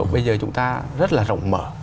bây giờ chúng ta rất là rộng mở